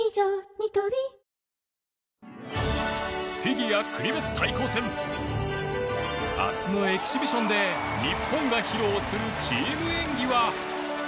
ニトリフィギュア国別対抗戦明日のエキシビションで日本が披露するチーム演技は